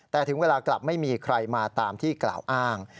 แต่ถึงเวลากลับไม่มีใครมาตามที่กล่าวอ้าง